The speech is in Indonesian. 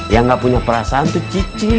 yang gak punya perasaan itu cici